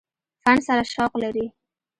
فن سره شوق لري ۔